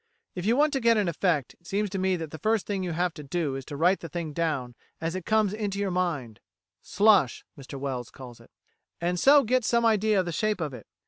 If you want to get an effect, it seems to me that the first thing you have to do is to write the thing down as it comes into your mind" ("slush," Mr Wells calls it), "and so get some idea of the shape of it.